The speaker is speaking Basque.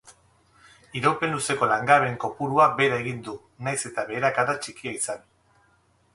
Iraupen luzeko langabeen kopuruak behera egin du, nahiz eta beherakada txikia izan.